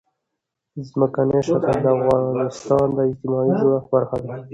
ځمکنی شکل د افغانستان د اجتماعي جوړښت برخه ده.